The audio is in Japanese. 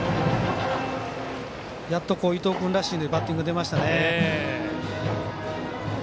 やっと伊藤君らしいバッティングが出ましたね。